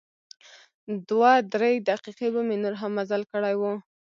دوه درې دقیقې به مې نور هم مزل کړی و.